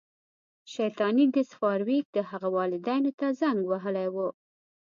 شیطاني ګس فارویک د هغه والدینو ته زنګ وهلی و